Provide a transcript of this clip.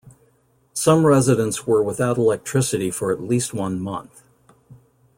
Some residents were without electricity for at least one month.